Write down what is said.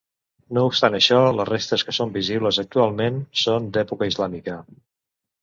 No obstant això, les restes que són visibles actualment són d'època islàmica.